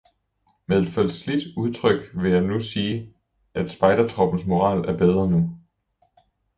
Med et forslidt udtryk vil jeg sige, at spejdertroppens moral er bedre nu.